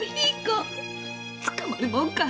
つかまるもんか！